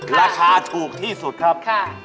ราคาถูกที่สุดครับ